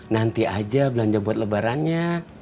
nanti aja belanja buat lebarannya